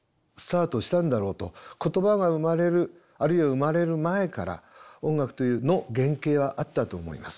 言葉が生まれるあるいは生まれる前から音楽の原型はあったと思います。